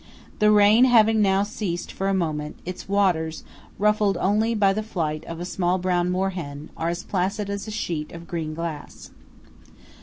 The rain having now ceased for a moment, its waters, ruffled only by the flight of a small brown moor hen, are as placid as a sheet of green glass.